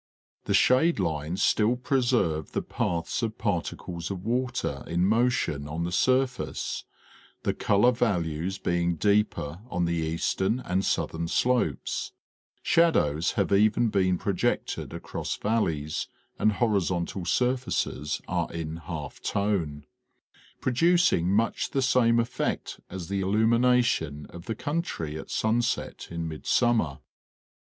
The shade lines still preserve the paths of particles of water in motion on the surface, the color values being deeper on the eastern and southern slopes, shadows have even been projected across valleys and horizontal surfaces are in half tone, producing much the same effect as the illumination of the country at sunset in midsummer.